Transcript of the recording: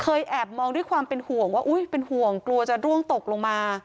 แอบมองด้วยความเป็นห่วงว่าอุ๊ยเป็นห่วงกลัวจะร่วงตกลงมา